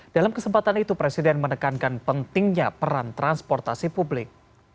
dalam kesempatan itu presiden menekankan pentingnya peran transportasi publik